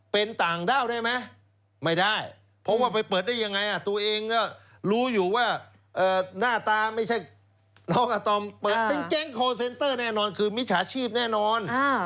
เป็นต่างด้าวได้ไหมไม่ได้เพราะว่าไปเปิดได้ยังไงตัวเองก็รู้อยู่ว่าหน้าตาไม่ใช่น้องอาตอมเปิดเป็นแก๊งคอร์เซ็นเตอร์แน่นอนคือมิจฉาชีพแน่นอน